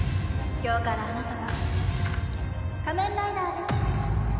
今日からあなたは仮面ライダーです。